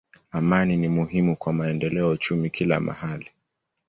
Amani ni muhimu kwa maendeleo ya uchumi kila mahali.